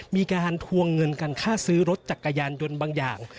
มีการทวงเงินการค่าซื้อรถจักรยานยนต์บางอย่าง